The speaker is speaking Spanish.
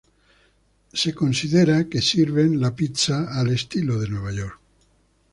Se considera que sirven la pizza al estilo de Nueva York.